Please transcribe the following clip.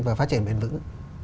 và phát triển bền vững